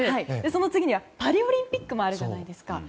その次にはパリオリンピックもあるじゃないですか。